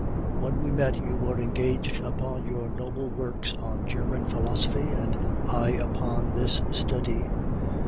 When we met, you were engaged upon your noble works on German philosophy, and I upon this study.